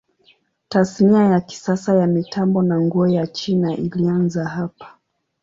Tasnia ya kisasa ya mitambo na nguo ya China ilianza hapa.